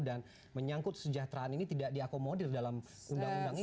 dan menyangkut sejahteraan ini tidak diakomodir dalam undang undang itu